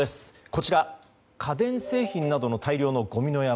こちら、家電製品などの大量のごみの山。